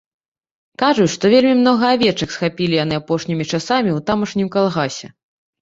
Кажуць, што вельмі многа авечак схапілі яны апошнімі часамі ў тамашнім калгасе.